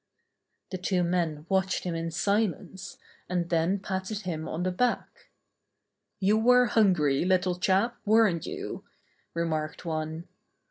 The two men watched him in silence, and then patted him on the back. ''You were hungry, little chap, weren't you?" remarked one.